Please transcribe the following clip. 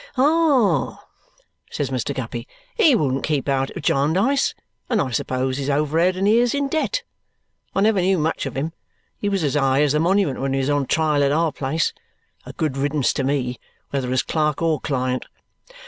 "Ah!" says Mr. Guppy. "He wouldn't keep out of Jarndyce, and I suppose he's over head and ears in debt. I never knew much of him. He was as high as the monument when he was on trial at our place. A good riddance to me, whether as clerk or client!